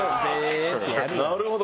なるほど。